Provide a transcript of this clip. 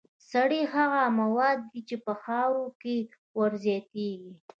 سرې هغه مواد دي چې په خاوره کې ور زیاتیږي.